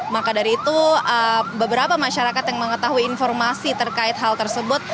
maka dari itu beberapa masyarakat yang mengetahui informasi terkait hal tersebut